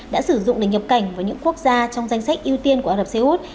đã sử dụng để nhập cảnh vào những quốc gia trong danh sách ưu tiên của ả rập xê út